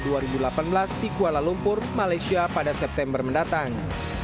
di kuala lumpur malaysia pada september mendatang